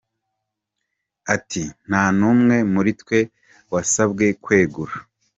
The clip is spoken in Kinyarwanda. Ati “Nta n’umwe muri twe wasabwe kwegura.